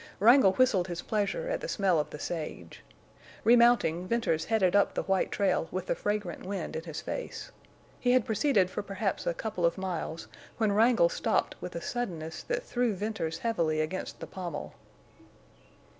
Wrangle whistled his pleasure at the smell of the sage. Remounting, Venters headed up the white trail with the fragrant wind in his face. He had proceeded for perhaps a couple of miles when Wrangle stopped with a suddenness that threw Venters heavily against the pommel.